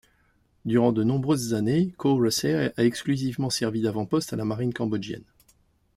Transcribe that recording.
Durant de nombreuses années, Koh Russey a exclusivement servi d'avant-poste à la Marine cambodgienne.